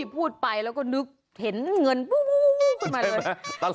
พูดไปแล้วก็นึกเห็นเงินปูขึ้นมาเลย